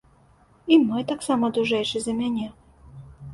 І мой таксама дужэйшы за мяне.